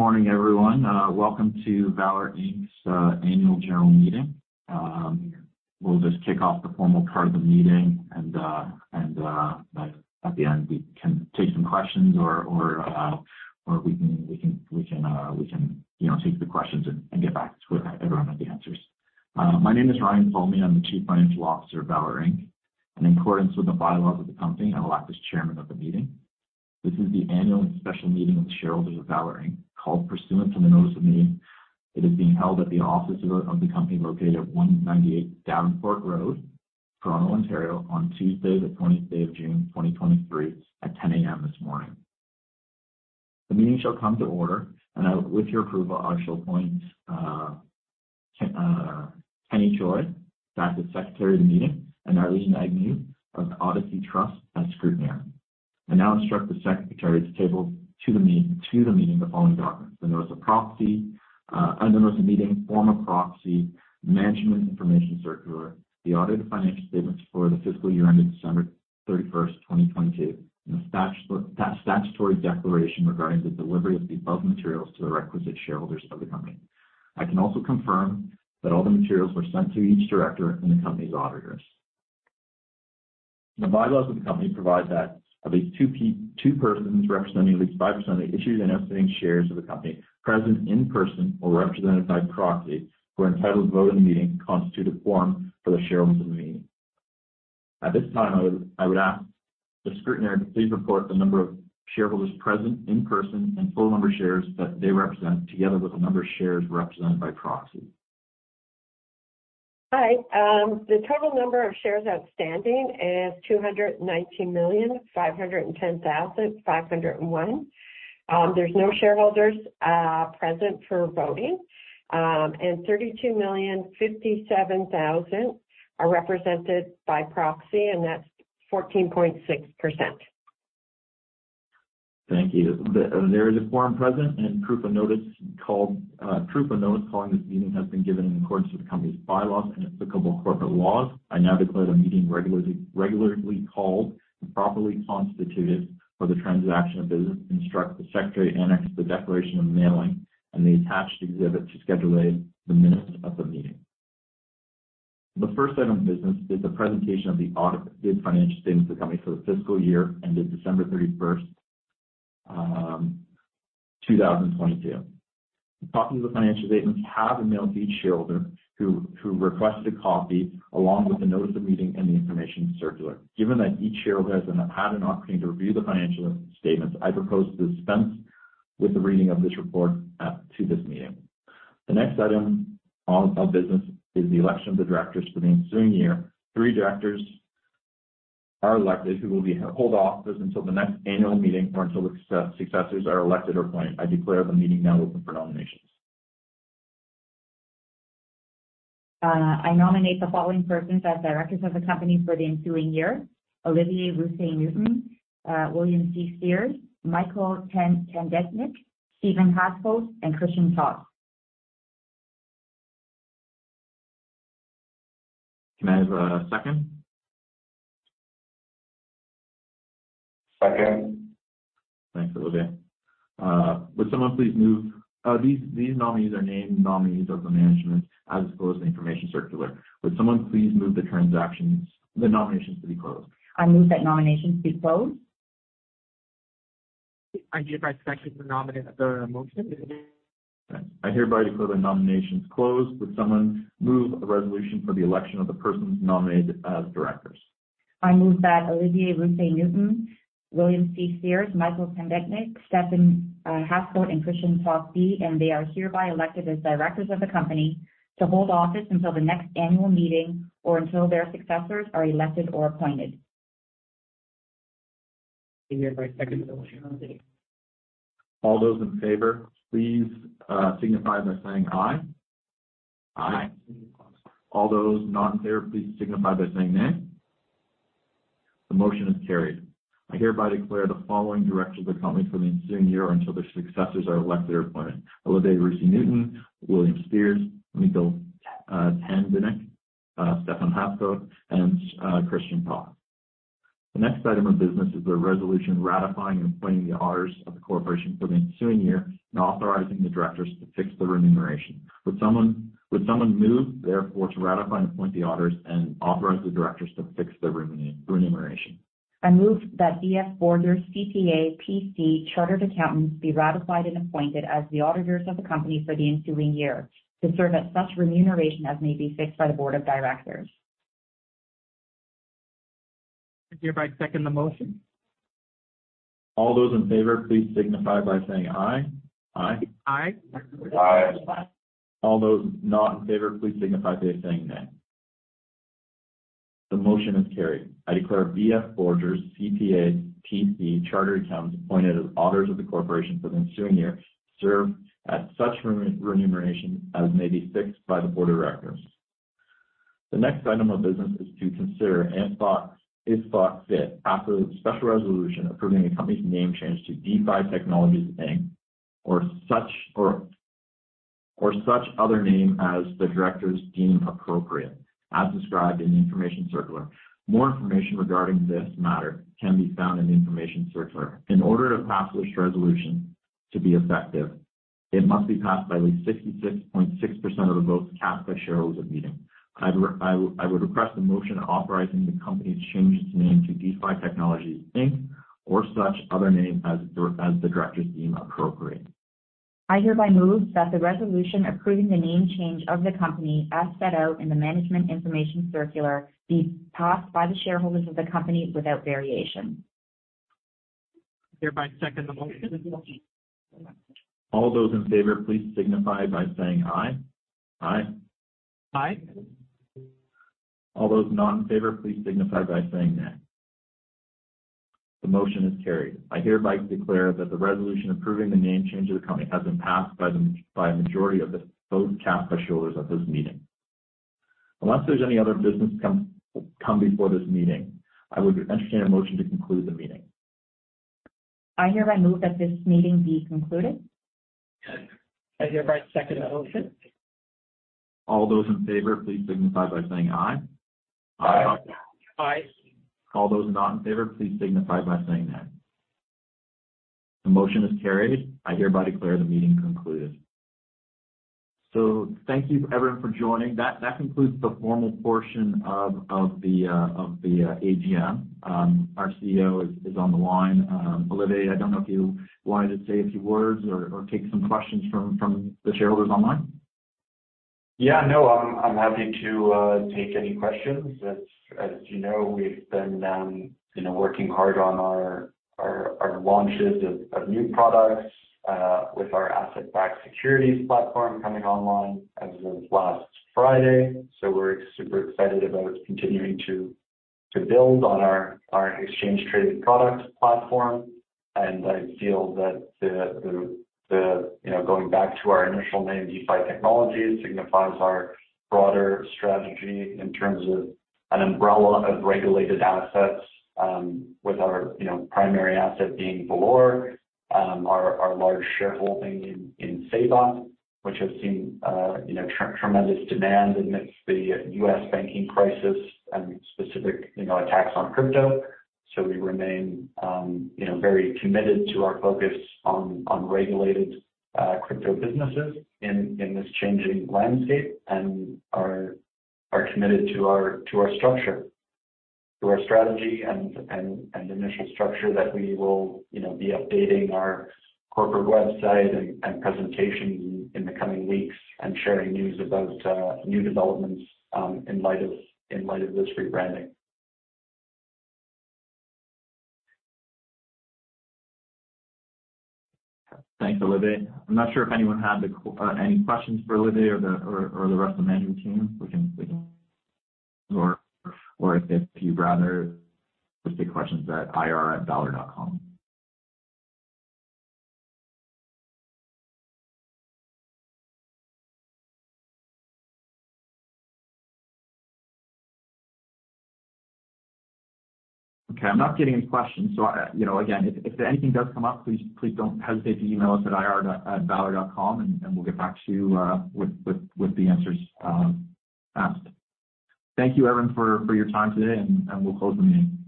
Good morning, everyone. Welcome to Valour Inc.'s annual general meeting. We'll just kick off the formal part of the meeting, and at the end, we can take some questions or we can, you know, take the questions and get back to everyone with the answers. My name is Ryan Ptolemy. I'm the Chief Financial Officer of Valour Inc. In accordance with the bylaws of the company, I will act as Chairman of the meeting. This is the annual and special meeting of the shareholders of Valour Inc., called pursuant to the notice of the meeting. It is being held at the office of the company located at 198 Davenport Road, Toronto, Ontario, on Tuesday, the 20th day of June, 2023, at 10:00 A.M. this morning. The meeting shall come to order, with your approval, I shall appoint Kenny Choi as the Secretary of the meeting, and Arlene Agnew of Odyssey Trust Company as scrutineer. I now instruct the secretary to table to the meeting the following documents: the notice of proxy, and the notice of the meeting, form of proxy, management information circular, the audited financial statements for the fiscal year ended December 31st, 2022, and the statutory declaration regarding the delivery of the above materials to the requisite shareholders of the company. I can also confirm that all the materials were sent to each director and the company's auditors. The bylaws of the company provide that at least 2 persons representing at least 5% of the issued and outstanding shares of the company, present in person or represented by proxy, who are entitled to vote in the meeting, constitute a quorum for the shareholders of the meeting. At this time, I would ask the scrutineer to please report the number of shareholders present in person and total number of shares that they represent, together with the number of shares represented by proxy. Hi. The total number of shares outstanding is 219,510,501. There's no shareholders present for voting, and 32,057,000 are represented by proxy, and that's 14.6%. Thank you. The, there is a quorum present and proof of notice called, proof of notice calling this meeting has been given in accordance with the company's bylaws and applicable corporate laws. I now declare the meeting regularly called and properly constituted for the transaction of business, and instruct the Secretary to annex the declaration of mailing and the attached exhibit to schedule A, the minutes of the meeting. The first item of business is the presentation of the audited financial statements of the company for the fiscal year ended December 31, 2022. Copies of the financial statements have been mailed to each shareholder who requested a copy, along with a notice of the meeting and the information circular. Given that each shareholder had an opportunity to review the financial statements, I propose to dispense with the reading of this report to this meeting. The next item of business is the election of the directors for the ensuing year. Three directors are elected, who will hold offices until the next annual meeting or until successors are elected or appointed. I declare the meeting now open for nominations. I nominate the following persons as directors of the company for the ensuing year: Olivier Roussy Newton, William C. Sears, Michael Tandetnik, Stefan Hascoët, and Christian Toss. Can I have a second? Second. Thanks, Olivier. These nominees are named nominees of the management, as disclosed in the information circular. Would someone please move the transactions, the nominations to be closed? I move that nominations be closed. I hereby second the nominee, the motion. I hereby declare the nominations closed. Would someone move a resolution for the election of the persons nominated as directors? I move that Olivier Roussy Newton, William C. Sears, Michael Tandetnik, Stefan Hascoët, and Christian Toss be, and they are hereby elected as directors of the company to hold office until the next annual meeting or until their successors are elected or appointed. I hereby second the motion. All those in favor, please signify by saying aye. Aye. All those not in favor, please signify by saying nay. The motion is carried. I hereby declare the following directors of the company for the ensuing year until their successors are elected or appointed: Olivier Roussy Newton, William Sears, Michael Tandetnik, Stefan Hascoët, and Christian Toss. The next item of business is the resolution ratifying and appointing the auditors of the corporation for the ensuing year and authorizing the directors to fix the remuneration. Would someone move, therefore, to ratify and appoint the auditors and authorize the directors to fix the remuneration? I move that BF Borgers CPA PC Chartered Accountants be ratified and appointed as the auditors of the company for the ensuing year to serve at such remuneration as may be fixed by the board of directors. I hereby second the motion. All those in favor, please signify by saying aye. Aye. Aye. Aye. All those not in favor, please signify by saying nay. The motion is carried. I declare BF Borgers CPA PC Chartered Accountants, appointed as auditors of the corporation for the ensuing year to serve at such remuneration as may be fixed by the board of directors. The next item of business is to consider and thought, if thought fit, pass a special resolution approving the company's name change to DeFi Technologies Inc., or such other name as the directors deem appropriate, as described in the information circular. More information regarding this matter can be found in the information circular. In order for pass this resolution to be effective, it must be passed by at least 66.6% of the votes cast by shareholders at the meeting. I would request a motion authorizing the company to change its name to DeFi Technologies Inc., or such other name as the directors deem appropriate. I hereby move that the resolution approving the name change of the company, as set out in the management information circular, be passed by the shareholders of the company without variation. I hereby second the motion. All those in favor, please signify by saying aye. Aye. Aye. All those not in favor, please signify by saying nay. The motion is carried. I hereby declare that the resolution approving the name change of the company has been passed by a majority of the votes cast by shareholders at this meeting. Unless there's any other business come before this meeting, I would entertain a motion to conclude the meeting. I hereby move that this meeting be concluded. I hereby second the motion. All those in favor, please signify by saying aye. Aye. Aye. All those not in favor, please signify by saying nay. The motion is carried. I hereby declare the meeting concluded. Thank you everyone for joining. That concludes the formal portion of the AGM. Our CEO is on the line. Olivier, I don't know if you wanted to say a few words or take some questions from the shareholders online. Yeah, no, I'm happy to take any questions. As you know, we've been, you know, working hard on our launches of new products with our asset-backed securities platform coming online as of last Friday. We're super excited about continuing to build on our exchange-traded product platform. I feel that the... You know, going back to our initial name, DeFi Technologies, signifies our broader strategy in terms of an umbrella of regulated assets, with our, you know, primary asset being Valour. Our large shareholding in SEBA, which has seen, you know, tremendous demand amidst the U.S. banking crisis and specific, you know, attacks on crypto. We remain, you know, very committed to our focus on regulated crypto businesses in this changing landscape and are committed to our structure, to our strategy and initial structure that we will, you know, be updating our corporate website and presentation in the coming weeks, and sharing news about new developments in light of this rebranding. Thanks, Olivier. I'm not sure if anyone had any questions for Olivier or the rest of the management team. We can. If you'd rather just take questions at ir@valour.com. Okay, I'm not getting any questions. You know, again, if anything does come up, please don't hesitate to email us at ir@valour.com, and we'll get back to you with the answers asked. Thank you, everyone, for your time today, and we'll close the meeting.